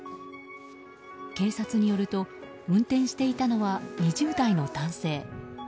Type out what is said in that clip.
警察によると運転していたのは２０代の男性。